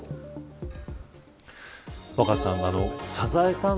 若狭さんサザエさん